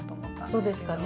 そうですかね。